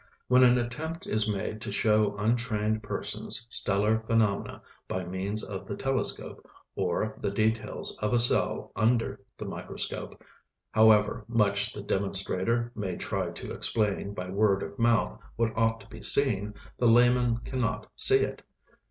When an attempt is made to show untrained persons stellar phenomena by means of the telescope, or the details of a cell under the microscope, however much the demonstrator may try to explain by word of mouth what ought to be seen, the layman cannot see it.